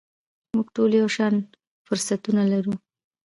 موږ ټول یو شان فرصتونه لرو .